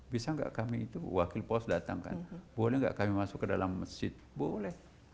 bisa nggak kami itu wakil pos datang kan boleh nggak kami masuk ke dalam masjid boleh